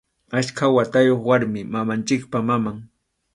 Achka watayuq warmi, mamanchikpa maman.